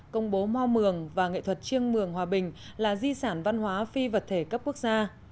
công bố mò mường và nghệ thuật chiêng mường hòa bình là di sản văn hóa phi vật thể cấp quốc gia